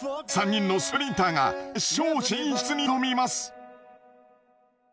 ３人のスプリンターが決勝進出に挑みます。